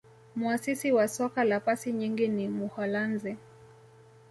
muasisi wa soka la pasi nyingi ni muholanzi